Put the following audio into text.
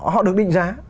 họ được định giá